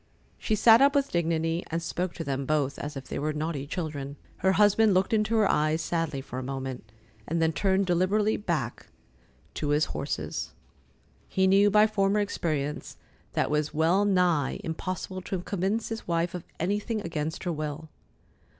She sat up with dignity, and spoke to them both as if they were naughty children. Her husband looked into her eyes sadly for a moment, and then turned deliberately back to his horses. He knew by former experience that it was well nigh impossible to convince his wife of anything against her will.